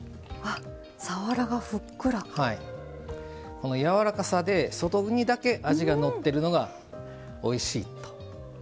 このやわらかさで外にだけ味がのってるのがおいしいというふうに思います。